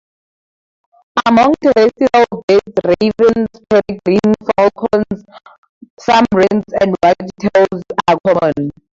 Among terrestrial birds, ravens, peregrine falcons, some wrens and wagtails are common.